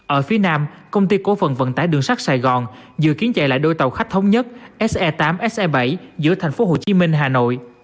ở phía nam công ty cố phần vận tải đường sắt sài gòn dự kiến chạy lại đôi tàu khách thống nhất se tám se bảy giữa thành phố hồ chí minh hà nội